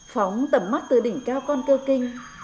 phóng tầm mắt từ đỉnh cao con cà kinh